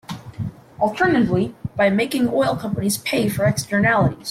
Alternatively, by making oil companies pay for externalities.